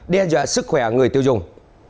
đe dọa sức khỏe người tiêu dùng